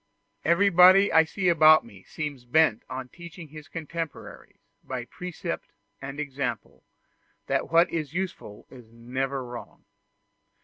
Everybody I see about me seems bent on teaching his contemporaries, by precept and example, that what is useful is never wrong.